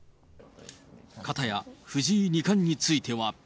片や藤井二冠については。